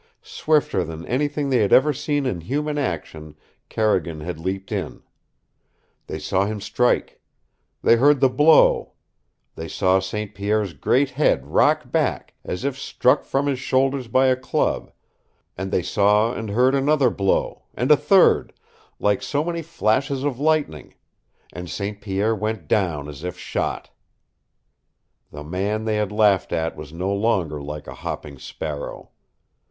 Swifter than anything they had ever seen in human action Carrigan had leaped in. They saw him strike. They heard the blow. They saw St. Pierre's great head rock back, as if struck from his shoulders by a club, and they saw and heard another blow, and a third like so many flashes of lightning and St. Pierre went down as if shot. The man they had laughed at was no longer like a hopping sparrow.